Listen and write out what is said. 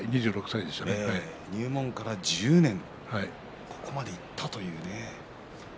入門から１０年ここまでいったというね。